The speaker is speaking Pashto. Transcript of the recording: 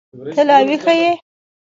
ته لا ويښه يې.